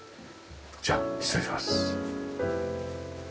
じゃあ失礼します。